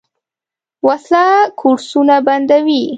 وسله کورسونه بندوي